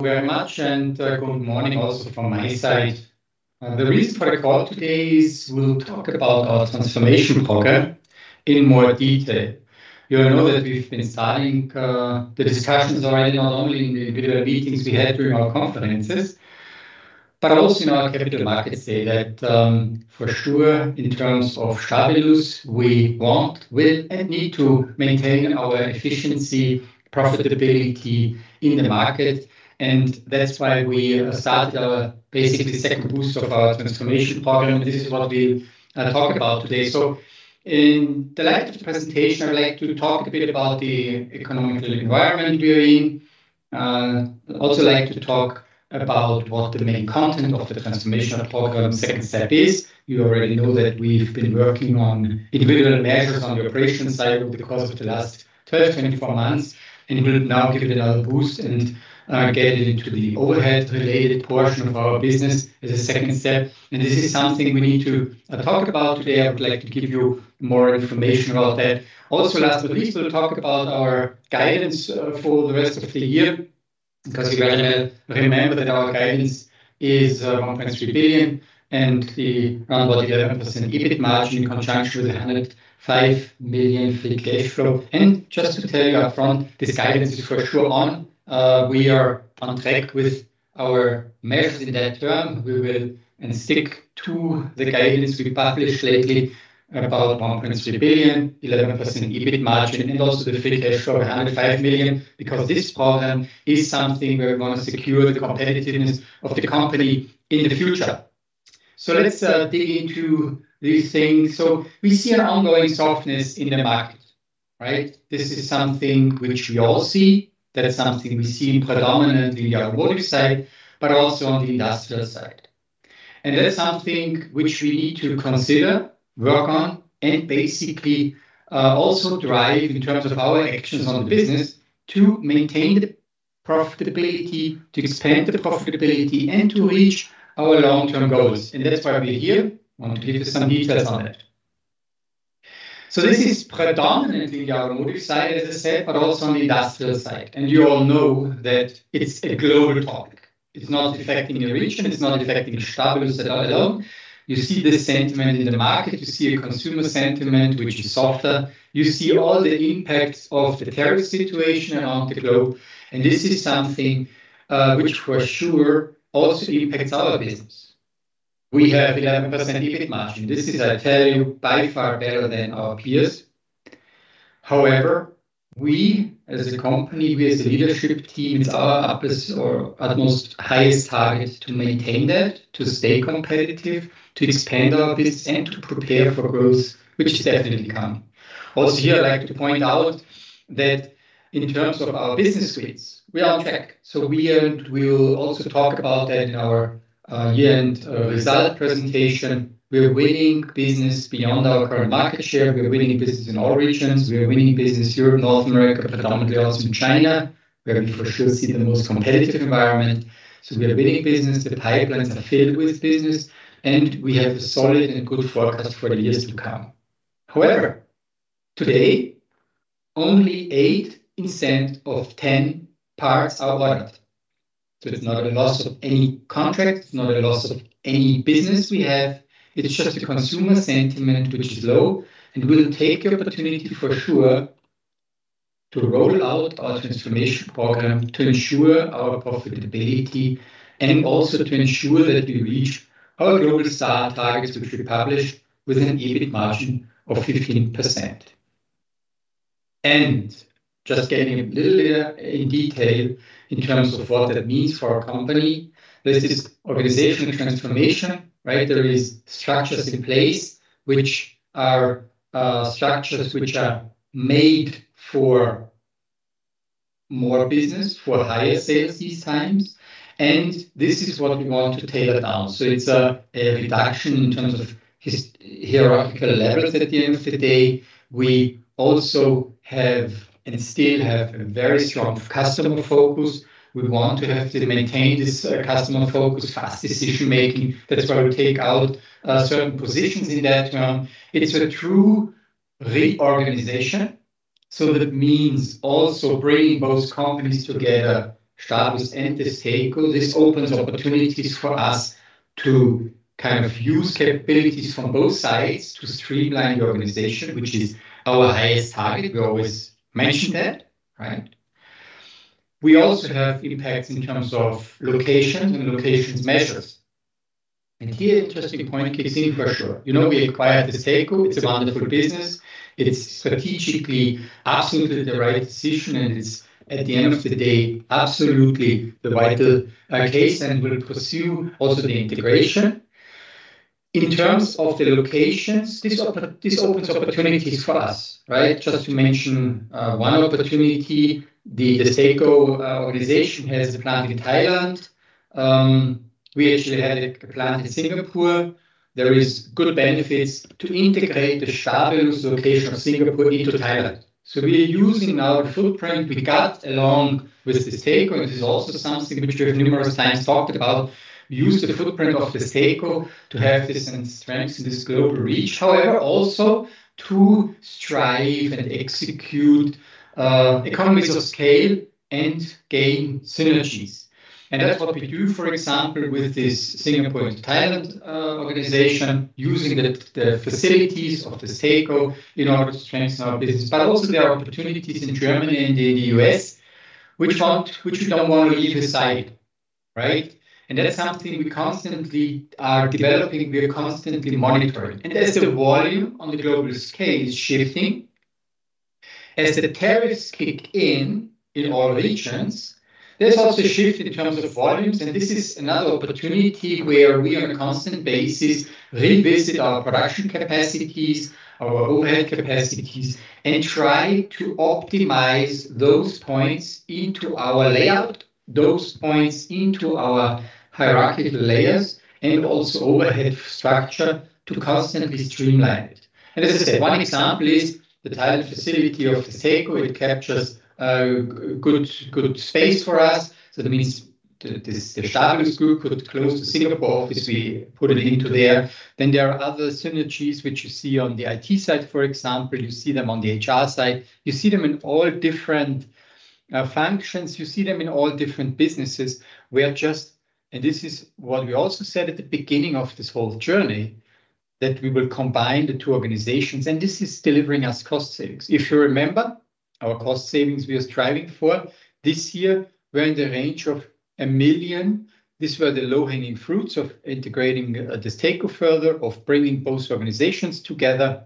very much, and good morning also from my side. The reason for the call today is we'll talk about our transformation program in more detail. You know that we've been starting the discussions already not only in the individual meetings we had during our conferences, but also in our capital markets day for sure in terms of Stabilus SE. We want, will, and need to maintain our efficiency, profitability in the market, and that's why we started our basically second booster of our transformation program. This is what we'll talk about today. In the light of the presentation, I'd like to talk a bit about the economic environment we're in. I'd also like to talk about what the main content of the transformation program second step is. You already know that we've been working on individual measures on the operational side because of the last 12 to 24 months, and we'll now give it another boost and get into the overhead-related portion of our business as a second step. This is something we need to talk about today. I would like to give you more information about that. Also, last but not least, we'll talk about our guidance for the rest of the year because you better remember that our guidance is €1.3 billion and the around 11% EBIT margin in conjunction with €105 million free cash flow. Just to tell you upfront, this guidance is for sure on. We are on track with our method in that term. We will stick to the guidance we published lately about €1.3 billion, 11% EBIT margin, and also the free cash flow of €105 million because this program is something where we want to secure the competitiveness of the company in the future. Let's dig into these things. We see an ongoing softness in the market, right? This is something which we all see. That's something we see predominantly in the automotive side, but also on the industrial side. That's something which we need to consider, work on, and basically also drive in terms of our actions on the business to maintain the profitability, to expand the profitability, and to reach our long-term goals. That's why we're here. I want to give you some details on that. This is predominantly in the automotive side, as I said, but also on the industrial side. You all know that it's a global topic. It's not affecting a region. It's not affecting Stabilus SE at all. You see the sentiment in the market. You see a consumer sentiment which is softer. You see all the impacts of the tariff situation around the globe. This is something which for sure also impacts our business. We have 11% EBIT margin. This is by far better than our peers. However, we as a company, we as a leadership team, it's our upper or at most highest target to maintain that, to stay competitive, to expand our business, and to prepare for growth, which is definitely coming. Here I'd like to point out that in terms of our business streams, we are on track. We will also talk about that in our year-end result presentation. We're winning business beyond our current market share. We're winning business in all regions. We're winning business in Europe, North America, predominantly also in China, where we for sure see the most competitive environment. We're winning business. The pipelines are filled with business, and we have a solid and good forecast for the years to come. However, today, only 8% of 10 parts are ordered. It's not a loss of any contract. It's not a loss of any business we have. It's just the consumer sentiment which is low. We'll take the opportunity for sure to roll out our transformation program to ensure our profitability and also to ensure that we reach our global STAR targets, which we publish with an EBIT margin of 15%. Getting a little bit in detail in terms of what that means for our company, this is organizational transformation, right? There are structures in place which are structures made for more business, for higher sales these times. This is what we want to tailor down. It's a reduction in terms of hierarchical levels at the end of the day. We also have and still have a very strong customer focus. We want to maintain this customer focus, fast decision-making. That's why we take out certain positions in that term. It's a true reorganization. That means also bringing both companies together, Stabilus SE and Stakeholder. This opens opportunities for us to use capabilities from both sides to streamline the organization, which is our highest target. We always mentioned that, right? We also have impacts in terms of locations and locations measured. Here, an interesting point kicks in for sure. We acquired Stakeholder. It's a wonderful business. It's strategically absolutely the right decision, and it's, at the end of the day, absolutely the vital case. We'll pursue also the integration. In terms of the locations, this opens opportunities for us, right? Just to mention one opportunity. The Stakeholder organization has a plant in Thailand. We actually had a plant in Singapore. There are good benefits to integrate the Stabilus SE location of Singapore into Thailand. We are using now the footprint we got along with the Stakeholder. This is also something which we have numerous times talked about. We use the footprint of the Stakeholder to have this strength in this global reach. However, also to strive and execute economies of scale and gain synergies. That's what we do, for example, with this Singapore and Thailand organization, using the facilities of the Stakeholder in order to strengthen our business, but also the opportunities in Germany and in the U.S., which we don't want to leave aside, right? That's something we constantly are developing. We are constantly monitoring. As the volume on the global scale is shifting, as the tariffs kick in in all regions, there's also a shift in terms of volumes. This is another opportunity where we, on a constant basis, revisit our production capacities, our overhead capacities, and try to optimize those points into our layout, those points into our hierarchical layers, and also overhead structure to constantly streamline it. As I said, one example is the Thailand facility of the Stakeholder. It captures a good space for us. That means that the Stabilus SE group could close the Singapore office. We put it into there. There are other synergies which you see on the IT side, for example. You see them on the HR side. You see them in all different functions. You see them in all different businesses. We are just, and this is what we also said at the beginning of this whole journey, that we will combine the two organizations. This is delivering us cost savings. If you remember our cost savings we are striving for, this year we're in the range of $1 million. These were the low-hanging fruits of integrating the Stakeholder further, of bringing both organizations together.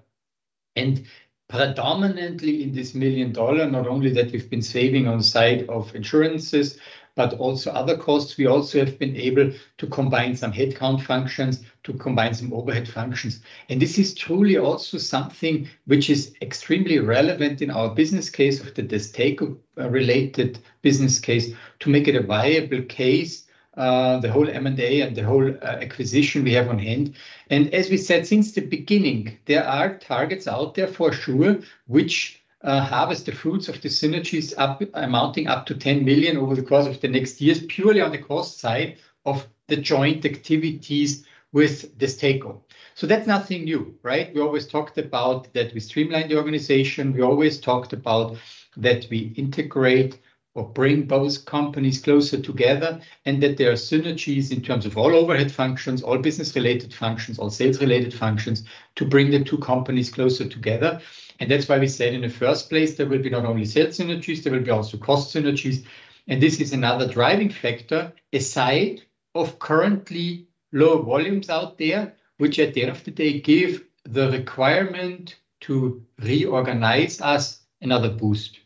Predominantly in this $1 million, not only that we've been saving on the side of insurances, but also other costs. We also have been able to combine some headcount functions, to combine some overhead functions. This is truly also something which is extremely relevant in our business case of the Stakeholder-related business case to make it a viable case, the whole M&A and the whole acquisition we have on hand. As we said since the beginning, there are targets out there for sure which harvest the fruits of the synergies amounting up to $10 million over the course of the next years, purely on the cost side of the joint activities with the Stakeholder. That's nothing new, right? We always talked about that we streamline the organization. We always talked about that we integrate or bring both companies closer together and that there are synergies in terms of all overhead functions, all business-related functions, all sales-related functions to bring the two companies closer together. That's why we said in the first place there will be not only sales synergies, there will be also cost synergies. This is another driving factor aside of currently low volumes out there, which at the end of the day give the requirement to reorganize us another boost.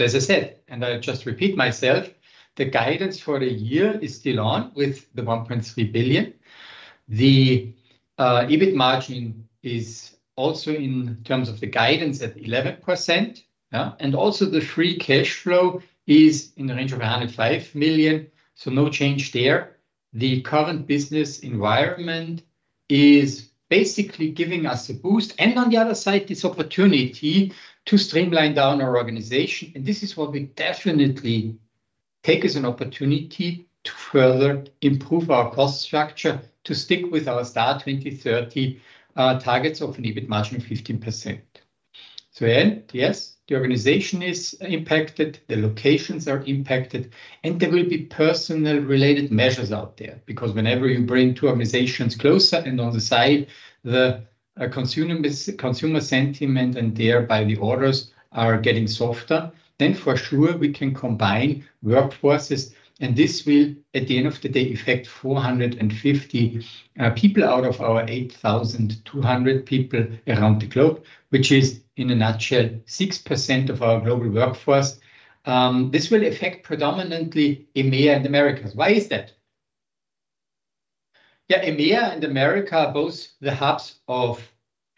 As I said, the guidance for the year is still on with the $1.3 billion. The EBIT margin is also in terms of the guidance at 11%. Yeah. Also the free cash flow is in the range of $105 million. No change there. The current business environment is basically giving us a boost and on the other side this opportunity to streamline down our organization. This is what we definitely take as an opportunity to further improve our cost structure to stick with our STAR 2030 targets of an EBIT margin of 15%. Yes, the organization is impacted. The locations are impacted. There will be personal-related measures out there because whenever you bring two organizations closer and on the side, the consumer sentiment and thereby the orders are getting softer, then for sure we can combine workforces. This will, at the end of the day, affect 450 people out of our 8,200 people around the globe, which is in a nutshell 6% of our global workforce. This will affect predominantly EMEA and Americas. Why is that? EMEA and Americas are both the hubs of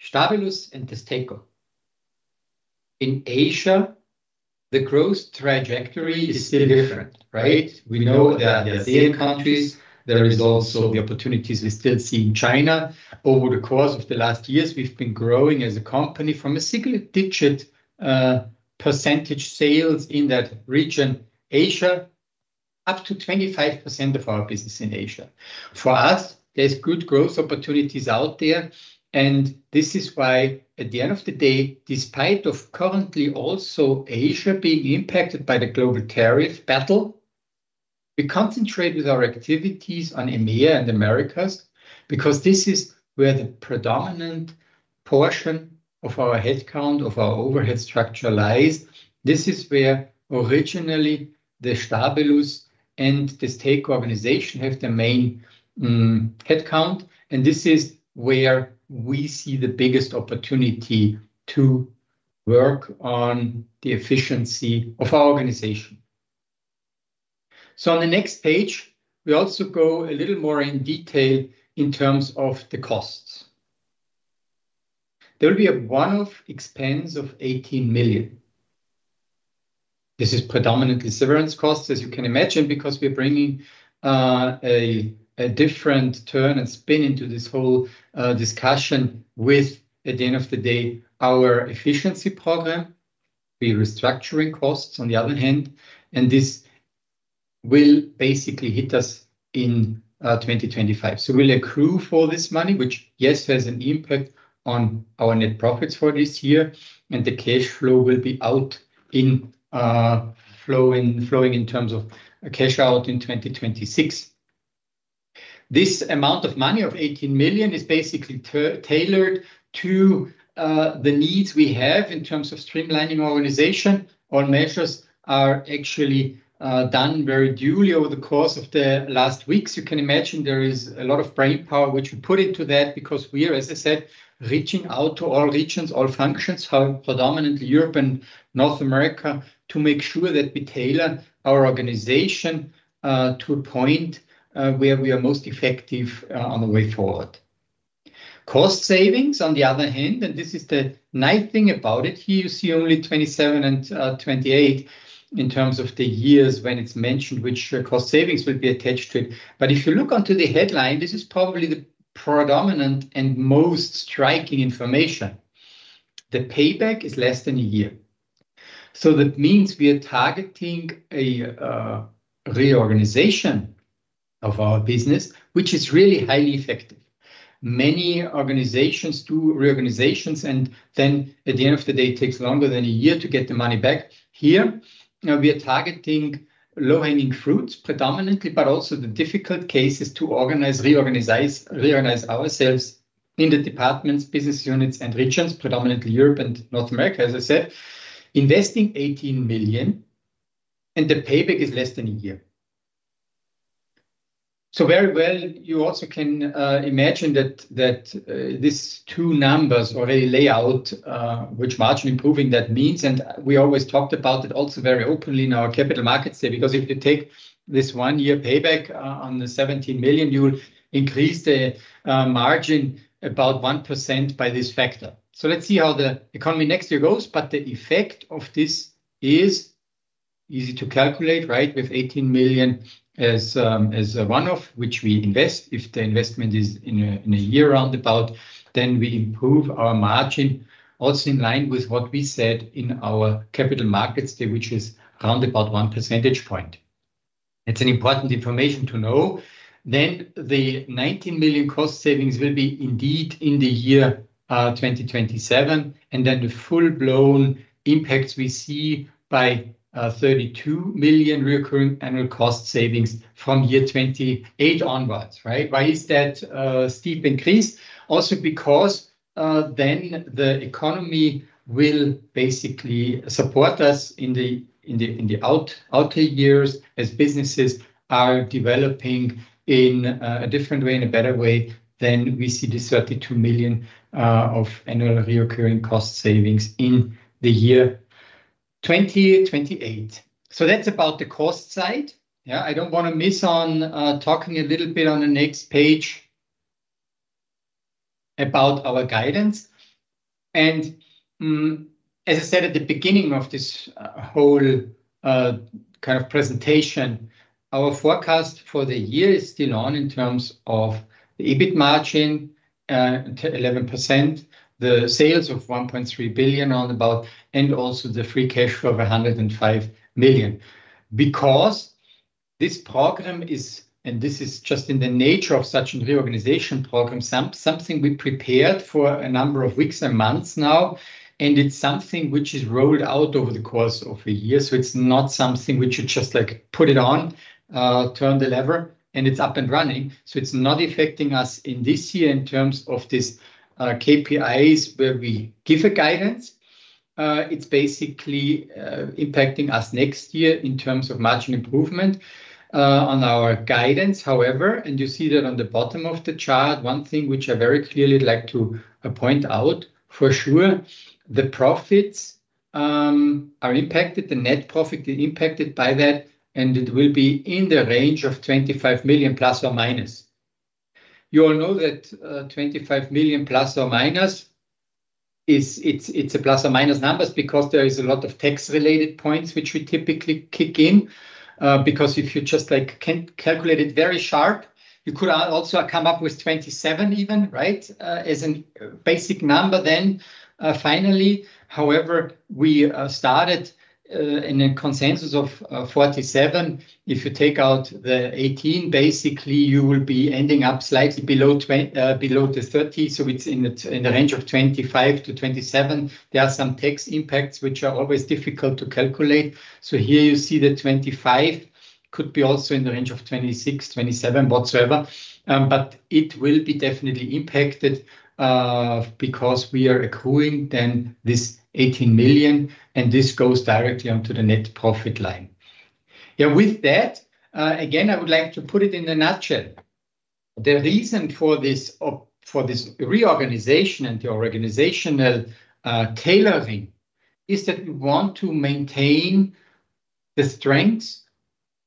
Stabilus SE and the Stakeholder. In Asia, the growth trajectory is still different, right? We know there are ASEAN countries. There are also the opportunities we still see in China. Over the course of the last years, we've been growing as a company from a single-digit % sales in that region, Asia, up to 25% of our business in Asia. For us, there's good growth opportunities out there. This is why, at the end of the day, despite currently also Asia being impacted by the global tariff battle, we concentrate with our activities on EMEA and Americas because this is where the predominant portion of our headcount, of our overhead structure lies. This is where originally the Stabilus SE and the Stakeholder organization have the main headcount. This is where we see the biggest opportunity to work on the efficiency of our organization. On the next page, we also go a little more in detail in terms of the costs. There will be a one-off expense of €18 million. This is predominantly severance costs, as you can imagine, because we're bringing a different turn and spin into this whole discussion with, at the end of the day, our efficiency program. We're restructuring costs on the other hand. This will basically hit us in 2025. We'll accrue for this money, which, yes, has an impact on our net profits for this year. The cash flow will be out in flowing in terms of a cash out in 2026. This amount of money of €18 million is basically tailored to the needs we have in terms of streamlining our organization. All measures are actually done very duly over the course of the last weeks. You can imagine there is a lot of brainpower which we put into that because we are, as I said, reaching out to all regions, all functions, predominantly Europe and North America, to make sure that we tailor our organization to a point where we are most effective on the way forward. Cost savings, on the other hand, and this is the nice thing about it. Here, you see only 2027 and 2028 in terms of the years when it's mentioned which cost savings would be attached to it. If you look onto the headline, this is probably the predominant and most striking information. The payback is less than a year. That means we are targeting a reorganization of our business, which is really highly effective. Many organizations do reorganizations, and then, at the end of the day, it takes longer than a year to get the money back. Here, we are targeting low-hanging fruits predominantly, but also the difficult cases to organize, reorganize ourselves in the departments, business units, and regions, predominantly Europe and North America, as I said, investing €18 million, and the payback is less than a year. Very well, you also can imagine that these two numbers already lay out which margin improving that means. We always talked about it also very openly in our capital markets today because if you take this one-year payback on the $17 million, you'll increase the margin about 1% by this factor. Let's see how the economy next year goes. The effect of this is easy to calculate, right? With $18 million as a one-off, which we invest, if the investment is in a year roundabout, then we improve our margin also in line with what we said in our capital markets today, which is around about one percentage point. It's important information to know. The $19 million cost savings will be indeed in the year 2027, and the full-blown impacts we see by $32 million recurring annual cost savings from year 2028 onwards, right? Why is that a steep increase? Also because then the economy will basically support us in the outer years as businesses are developing in a different way, in a better way, then we see the $32 million of annual recurring cost savings in the year 2028. That's about the cost side. I don't want to miss on talking a little bit on the next page about our guidance. As I said at the beginning of this whole kind of presentation, our forecast for the year is still on in terms of the EBIT margin, 11%, the sales of $1.3 billion roundabout, and also the free cash flow of $105 million because this program is, and this is just in the nature of such a reorganization program, something we prepared for a number of weeks and months now. It's something which is rolled out over the course of a year. It's not something which you just like put it on, turn the lever, and it's up and running. It's not affecting us in this year in terms of these KPIs where we give a guidance. It's basically impacting us next year in terms of margin improvement on our guidance. However, and you see that on the bottom of the chart, one thing which I very clearly like to point out for sure, the profits are impacted, the net profit is impacted by that, and it will be in the range of $25 million plus or minus. You all know that $25 million plus or minus is, it's a plus or minus number because there is a lot of tax-related points which we typically kick in because if you just like can't calculate it very sharp, you could also come up with $27 million even, right? As a basic number then, finally. We started in a consensus of $47 million. If you take out the $18 million, basically you will be ending up slightly below the $30 million. It's in the range of $25 million to $27 million. There are some tax impacts which are always difficult to calculate. Here you see that $25 million could also be in the range of $26 million, $27 million, whatsoever. It will definitely be impacted because we are accruing then this $18 million, and this goes directly onto the net profit line. I would like to put it in a nutshell. The reason for this reorganization and the organizational tailoring is that we want to maintain the strengths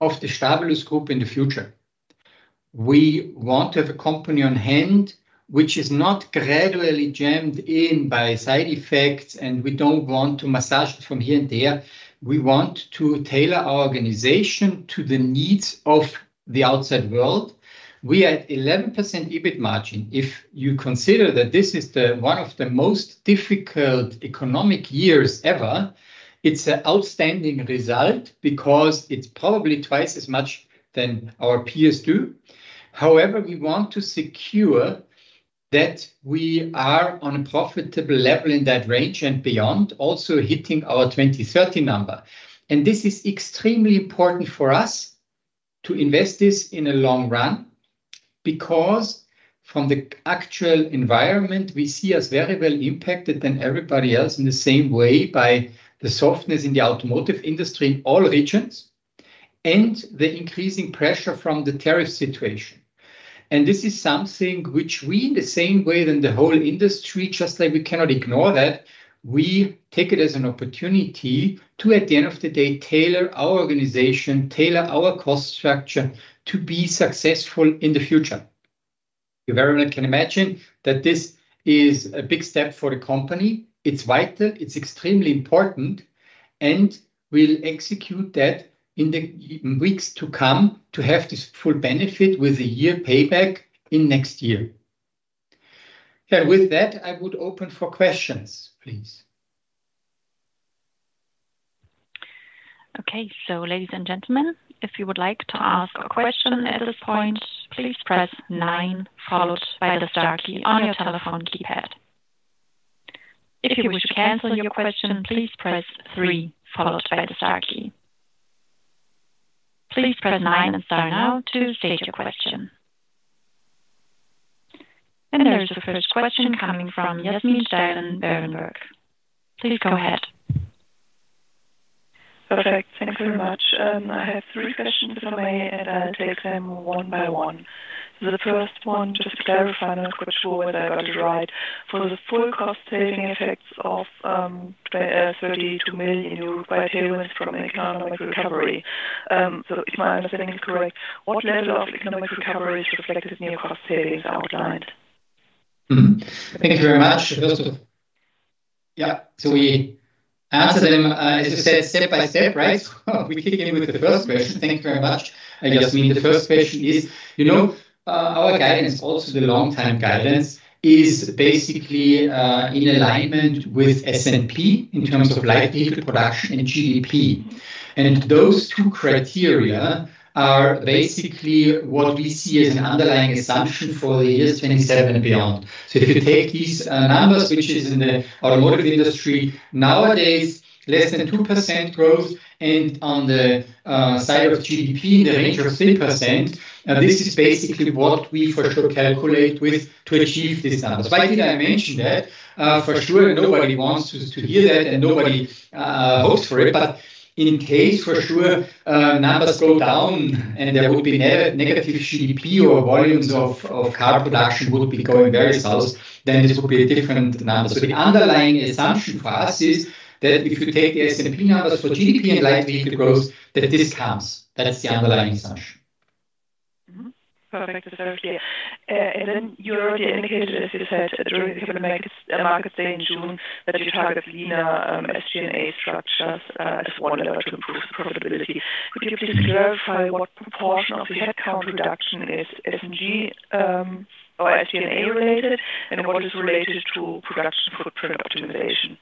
of the Stabilus SE group in the future. We want to have a company on hand which is not gradually jammed in by side effects, and we don't want to massage it from here and there. We want to tailor our organization to the needs of the outside world. We are at 11% EBIT margin. If you consider that this is one of the most difficult economic years ever, it's an outstanding result because it's probably twice as much as our peers do. However, we want to secure that we are on a profitable level in that range and beyond, also hitting our 2030 number. This is extremely important for us to invest this in the long run because from the actual environment, we see us very well impacted than everybody else in the same way by the softness in the automotive industry in all regions and the increasing pressure from the tariff situation. This is something which we, in the same way as the whole industry, just like we cannot ignore that, we take it as an opportunity to, at the end of the day, tailor our organization, tailor our cost structure to be successful in the future. You very well can imagine that this is a big step for the company. It's vital. It's extremely important. We'll execute that in the weeks to come to have this full benefit with a year payback in next year. With that, I would open for questions, please. Ladies and gentlemen, if you would like to ask a question at this point, please press nine followed by the star key on your telephone keypad. If you wish to answer your question, please press three followed by the star key. Please press nine and start now to state your question. There is the first question coming from Yasmin Stein in Bergenburg. Please go ahead. Perfect. Thank you very much. I had three questions if I may, and I'll take them one by one. The first one, just to clarify, I'm not quite sure whether I got it right. For the full cost saving effects of the $32 million by tailwinds from economic recovery, if my understanding is correct, what level of economic recovery is reflected in your cost savings outside? Thank you very much. Yeah, so we answered them, as you said, step by step, right? We kick in with the first question. Thank you very much, Yasmin. The first question is, you know, our guidance, also the long-term guidance, is basically in alignment with S&P in terms of light vehicle production and global GDP growth. Those two criteria are basically what we see as an underlying assumption for the years 2027 and beyond. If you take these numbers, which is in the automotive industry nowadays less than 2% growth, and on the side of global GDP growth in the range of 3%, this is basically what we for sure calculate with to achieve these numbers. Why did I mention that? For sure, nobody wants to hear that and nobody hopes for it. In case numbers go down and there would be negative global GDP growth or volumes of car production would be going very slow, this would be a different number. The underlying assumption for us is that if you take the S&P numbers for global GDP growth and light vehicle production growth, that this counts. That's the underlying assumption. Perfect. That's very clear. You already indicated, as you said, that during the Capital Markets in June, that we targeted leaner SG&A structures as well to improve the profitability. Could you please clarify what proportion of the headcount reduction is SG&A related and what is related to production footprint optimization?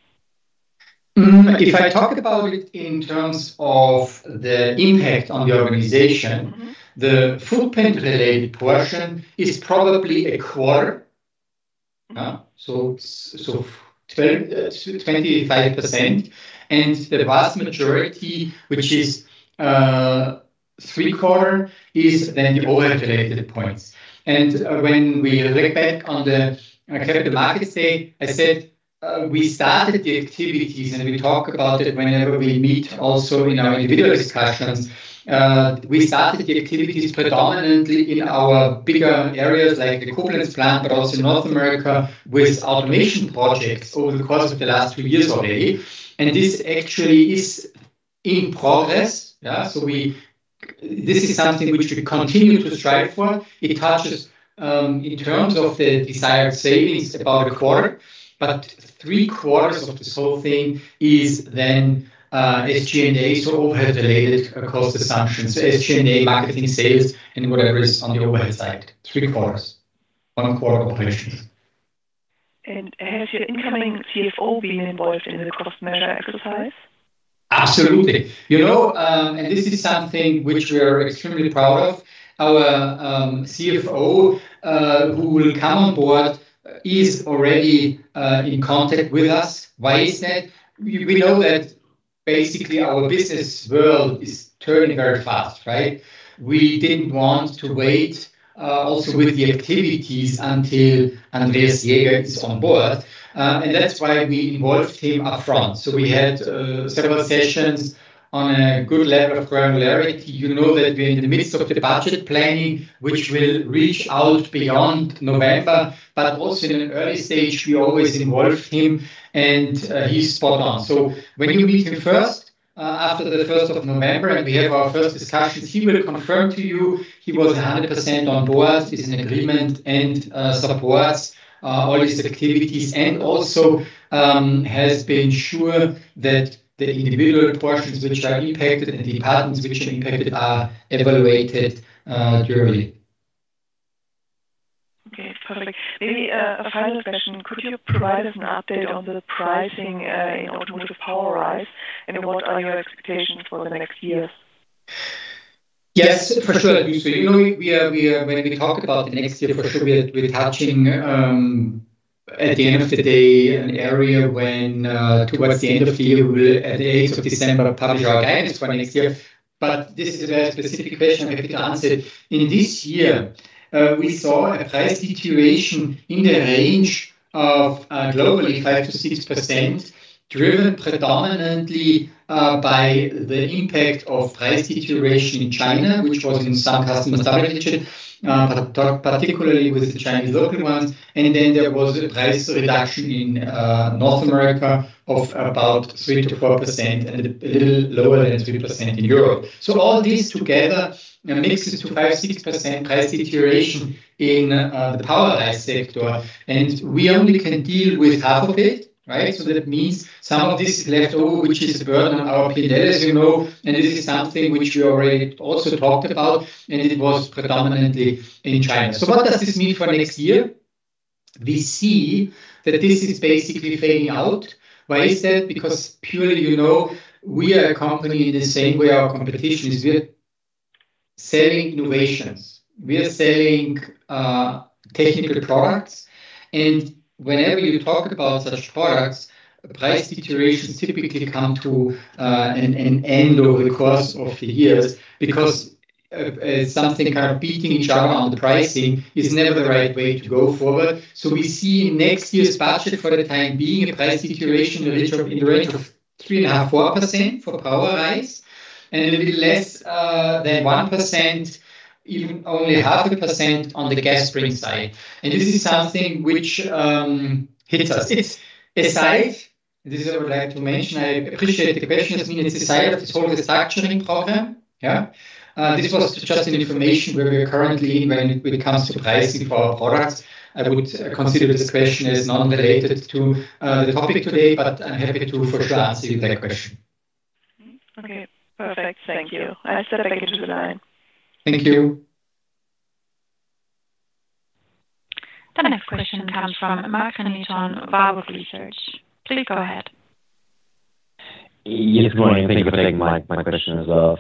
If I talk about it in terms of the impact on the organization, the footprint-related portion is probably a quarter, so 25%. The vast majority, which is three quarters, is then the overhead-related points. When we look back on the capital markets day, I said we started the activities and we talk about it whenever we meet also in our individual discussions. We started the activities predominantly in our bigger areas like the coolant plant, but also in North America with automation projects over the course of the last two years already. This actually is in progress. This is something which we continue to strive for. It touches in terms of the desired savings about a quarter, but three quarters of this whole thing is then SG&A, so overhead-related cost assumptions. SG&A, marketing sales, and whatever is on the overhead side. Three quarters. One quarter completely. Has your incoming CFO been involved in the cost measure exercise? Absolutely. This is something which we are extremely proud of. Our CFO, who will come on board, is already in contact with us. Why is that? We know that basically our business world is turning very fast, right? We didn't want to wait with the activities until Andreas Schröder is on board. That's why we involved him upfront. We had several sessions on a good level of granularity. You know that we are in the midst of the budget planning, which will reach out beyond November, but also in an early stage, we always involve him and he's spot on. When you meet him first after the 1st of November and we have our first discussions, he will confirm to you he was 100% on board, is in agreement and supports all his activities and also has been sure that the individual portions which are impacted and departments which are impacted are evaluated during. Okay, perfect. Maybe a final question. Could you provide us an update on the pricing in automotive Powerise and what are your expectations for the next year? Yeah, for sure. When we talk about the next year, for sure we're touching at the end of the day an area when towards the end of the year, we will at the end of December publish our guidance for next year. This is a very specific question. I'll answer it. In this year, we saw a price situation in the range of globally 5% to 6%, driven predominantly by the impact of price deterioration in China, which was in some customer service region, but particularly with the Chinese local ones. There was a price reduction in North America of about 3% to 4% and a little lower than 3% in Europe. All this together mixes to 5% to 6% price deterioration in the Powerise sector. We only can deal with half of it, right? That means some of this is left over, which is a burden on our P&L, as you know. This is something which we already also talked about. It was predominantly in China. What does this mean for next year? We see that this is basically fading out. Why is that? Because purely, you know, we are a company in the same way our competition is. We're selling innovations. We're selling technical products. Whenever you talk about such products, price deteriorations typically come to an end over the course of the years because it's something kind of beating each other on the pricing. It's never the right way to go forward. We see next year's budget for the time being a price deterioration in the range of 3.5% to 4% for Powerise and a little less than 1%, even only half a percent on the gas spring side. This is something which hits us. It's aside, this is what I would like to mention. I appreciate the question, Yasmin. It's aside of this whole restructuring program. This was just an information where we are currently when it comes to pricing for our products. I would consider this question as non-related to the topic today, but I'm happy to for sure answer you with that question. Okay, perfect. Thank you. I'll set it back into the line. Thank you. The next question comes from Mark and John Varbo for Research. Please go ahead. Yes, good morning. Thank you for taking my questions. I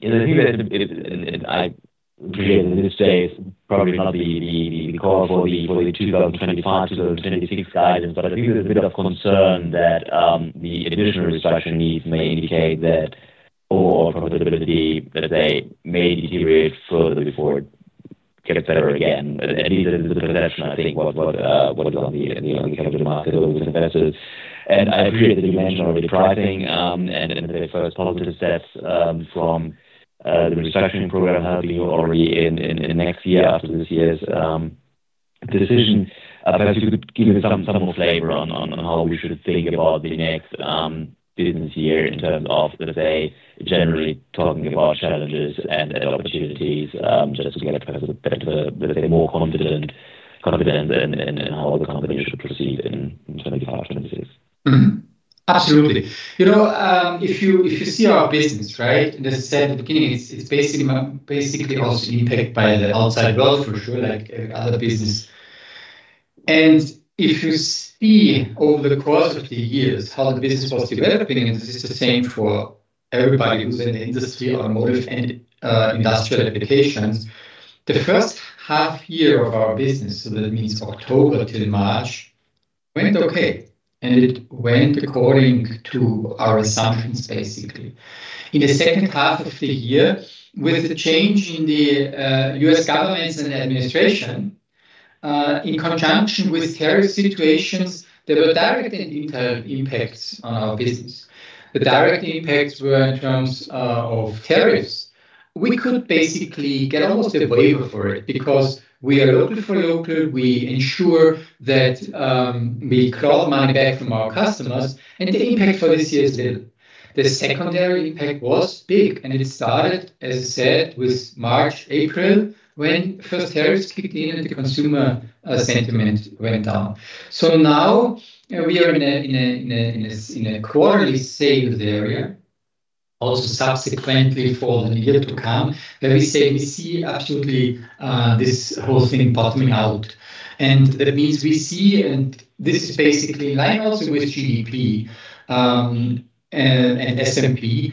appreciate that this is probably not the call for the 2025-2026 guidance, but I think there's a bit of a concern that the additional restructuring needs may indicate that overall profitability, let's say, may be derived further before it gets better again. I think there's a little bit of a question what we're doing on the capital markets with investors. I appreciate that you mentioned already pricing and the first positive steps from the restructuring program and having you already in next year after this year's decision. Perhaps you could give me some more flavor on how we should think about the next business year in terms of, let's say, generally talking about challenges and opportunities, just to get kind of a bit more confident in how the company should proceed in 2025 and 2026. Absolutely. If you see our business, in the second keynote, it's basically also impacted by the outside world for sure, like other businesses. If you see over the course of the years how the business was developing, and this is the same for everybody who's in the industry on motive and industrial applications, the first half year of our business, so that means October till March, went okay. It went according to our assumptions, basically. In the second half of the year, with the change in the U.S. governments and administration, in conjunction with tariff situations, there were direct and indirect impacts on our business. The direct impacts were in terms of tariffs. We could basically get almost a waiver for it because we are local for local. We ensure that we clawed money back from our customers, and the impact for this year is little. The secondary impact was big, and it started, as I said, with March, April, when first tariffs kicked in and the consumer sentiment went down. We are in a quarterly sales area, also subsequently for the year to come, where we say we see absolutely this whole thing bottoming out. That means we see, and this is basically in line also with global GDP growth and S&P,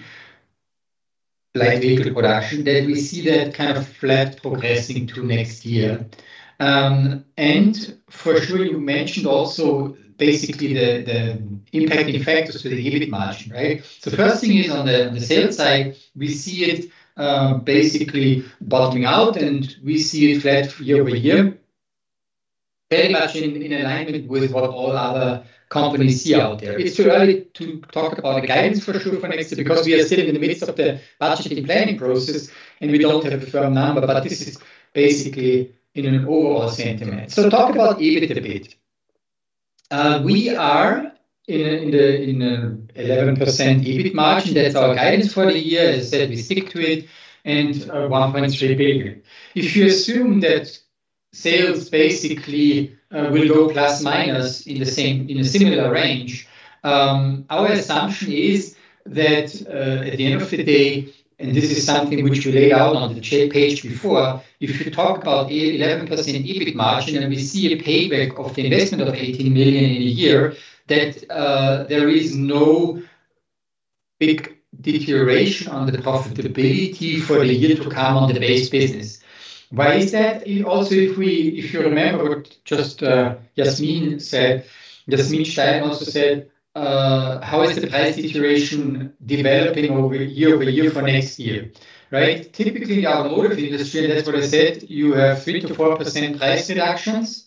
light vehicle production, that we see that kind of flat progressing to next year. You mentioned also basically the impacting factors to the EBIT margin, right? The first thing is on the sales side, we see it basically bottoming out, and we see it flat year over year, very much in alignment with what all other companies see out there. It's too early to talk about the guidance for sure for next year because we are still in the midst of the budgeting planning process, and we don't have a firm number, but this is basically in an overall sentiment. Talk about EBIT a bit. We are in an 11% EBIT margin. That's our guidance for the year. As I said, we stick to it, and $1.3 billion. If you assume that sales basically will go plus minus in the same, in a similar range, our assumption is that at the end of the day, and this is something which we laid out on the page before, if you talk about 11% EBIT margin and we see a payback of the investment of $18 million in a year, that there is no big deterioration on the profitability for the year to come on the base business. Why is that? Also, if you remember what just Yasmin said, Yasmin Stein also said, how is the price situation developing year over year for next year, right? Typically in the automotive industry, and that's what I said, you have 3 to 4% price reductions,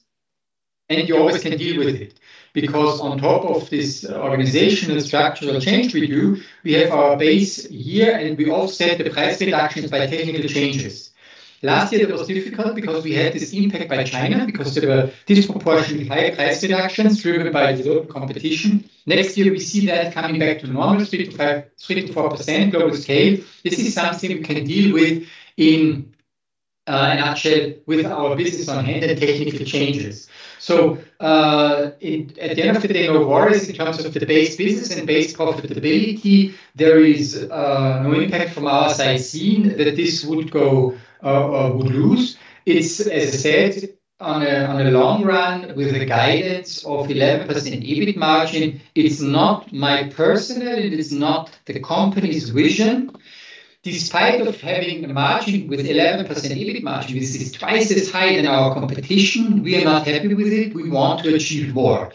and you always can deal with it because on top of this organizational structural change we do, we have our base year, and we offset the price reduction by technical changes. Last year, it was difficult because we had this impact by China because there were disproportionately high price reductions driven by the local competition. Next year, we see that coming back to normal, 3 to 4% global scale. This is something we can deal with in a nutshell with our business on hand and technical changes. At the end of the day, no worries in terms of the base business and base profitability. There is no impact from our side seen that this would go or would lose. It's, as I said, on a long run with a guidance of 11% EBIT margin. It's not my personal, and it's not the company's vision. Despite having a margin with 11% EBIT margin, this is twice as high than our competition. We are not happy with it. We want to achieve more.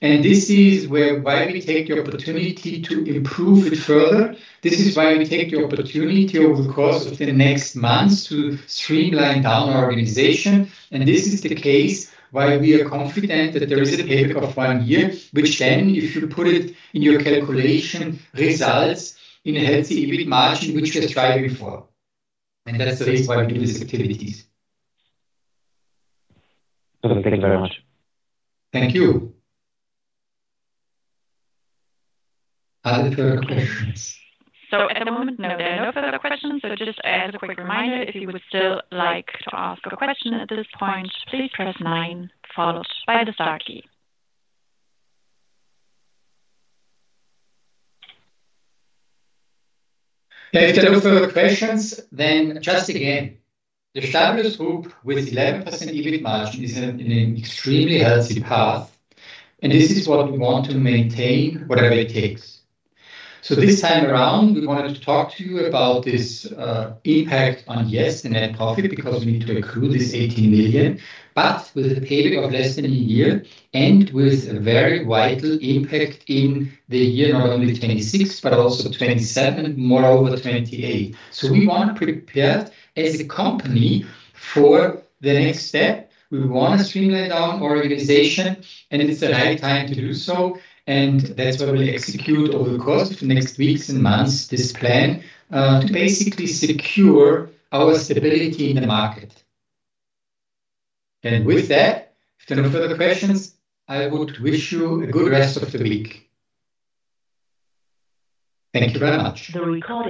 This is why we take the opportunity to improve it further. This is why we take the opportunity over the course of the next months to streamline down our organization. This is the case why we are confident that there is a payback of one year, which then, if you put it in your calculation, results in a healthy EBIT margin, which we're striving for. That's the reason why we do these activities. Thank you very much. Thank you. Any further questions? At the moment of note, there are no further questions. Just as a quick reminder, if you would still like to ask a question at this point, please press nine followed by the star key. If there are no further questions, then just again, the Stabilus SE group with 11% EBIT margin is on an extremely healthy path. This is what we want to maintain, whatever it takes. This time around, we wanted to talk to you about this impact on, yes, the net profit because we need to accrue this $18 million, but with a payback of less than a year and with a very vital impact in the year, not only 2026, but also 2027 and moreover 2028. We want to prepare as a company for the next step. We want to streamline down our organization, and it's the right time to do so. That's why we'll execute over the course of the next weeks and months this plan to basically secure our stability in the market. If there are no further questions, I would wish you a good rest of the week. Thank you very much. The record.